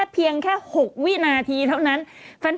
เพียงแค่๖วินาทีเท่านั้น